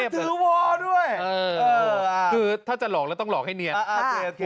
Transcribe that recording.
เอ้ามันถือวอดด้วยเออเออคือถ้าจะหลอกแล้วต้องหลอกให้เนียนอ่า